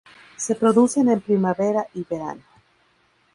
Se producen en primavera y verano.